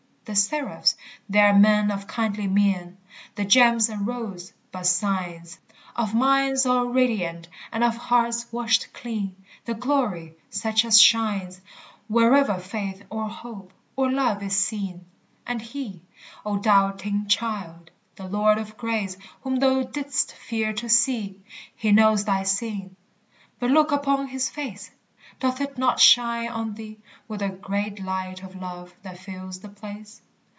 The seraphs they are men of kindly mien; The gems and robes but signs Of minds all radiant and of hearts washed clean; The glory such as shines Wherever faith or hope or love is seen. And he, O doubting child! the Lord of grace Whom thou didst fear to see He knows thy sin but look upon his face! Doth it not shine on thee With a great light of love that fills the place?